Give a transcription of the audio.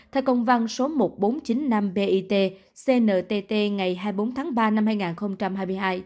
theo công văn số một nghìn bốn trăm chín mươi năm bit cntt ngày hai mươi bốn tháng ba năm hai nghìn hai mươi hai